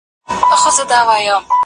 دا سړی پر خپل ځان رحم نه کوي